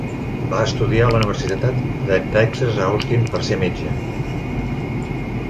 Va estudiar a la Universitat de Texas a Austin per ser metge.